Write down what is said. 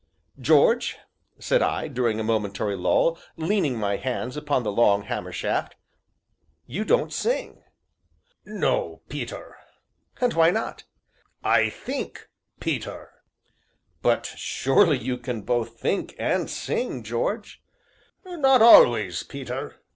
"George," said I, during a momentary lull, leaning my hands upon the long hammer shaft, "you don't sing." "No, Peter." "And why not?" "I think, Peter." "But surely you can both think and sing, George?" "Not always, Peter."